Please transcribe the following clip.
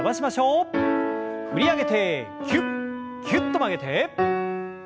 振り上げてぎゅっぎゅっと曲げて。